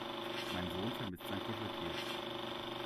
Mein Sohn vermisst sein Kuscheltier.